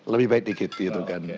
lebih baik di giti itu kan